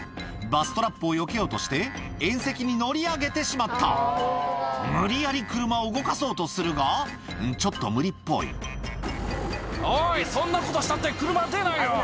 バス・トラップをよけようとして縁石に乗り上げてしまった無理やり車を動かそうとするがちょっと無理っぽいおいそんなことしたって車は出ないよ。